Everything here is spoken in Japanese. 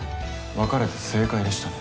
別れて正解でしたね。